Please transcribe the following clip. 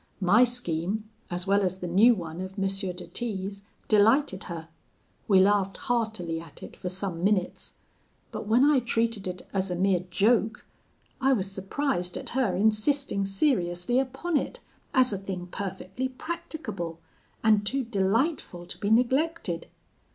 My scheme, as well as the new one of M. de T 's, delighted her: we laughed heartily at it for some minutes; but when I treated it as a mere joke, I was surprised at her insisting seriously upon it, as a thing perfectly practicable, and too delightful to be neglected.